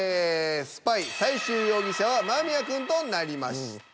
スパイ最終容疑者は間宮くんとなりました。